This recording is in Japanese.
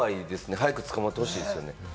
早く捕まってほしいです。